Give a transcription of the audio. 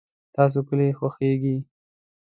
د تاسو کلي خوښیږي؟